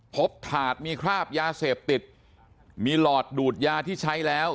ถาดมีคราบยาเสพติดมีหลอดดูดยาที่ใช้แล้ว